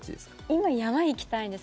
今、山に行きたいんです。